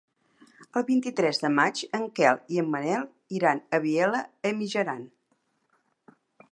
El vint-i-tres de maig en Quel i en Manel iran a Vielha e Mijaran.